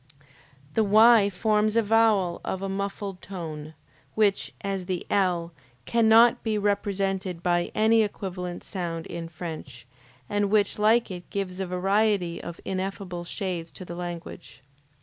The Y forms a vowel of a muffled tone, which, as the L, cannot be represented by any equivalent sound in French, and which like it gives a variety of ineffable shades to the language.